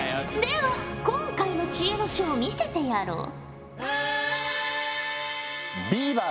では今回の知恵の書を見せてやろう。